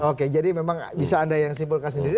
oke jadi memang bisa anda yang simpulkan sendiri